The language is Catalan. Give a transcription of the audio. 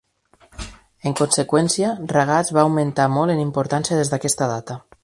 En conseqüència, Ragatz va augmentar molt en importància des d'aquesta data.